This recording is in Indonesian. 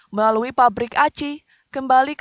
melalui pabrik aci